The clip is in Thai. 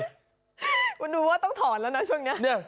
คุณดูว่าต้องถอนแล้วนะช่วงนี้